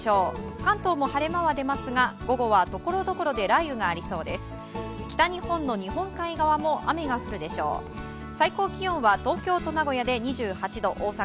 関東も晴れ間は出ますが午後はところどころで雷雨がありそうです。